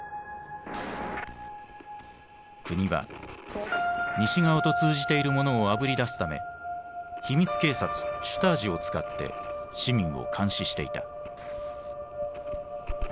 国は西側と通じている者をあぶり出すため秘密警察シュタージを使って市民を監視していた。